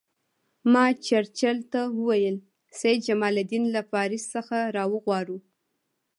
ما چرچل ته وویل سید جمال الدین له پاریس څخه را وغواړو.